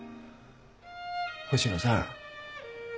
星野さん。